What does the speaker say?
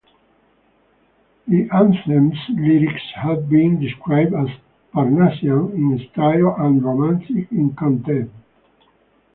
The anthem's lyrics have been described as Parnassian in style and Romantic in content.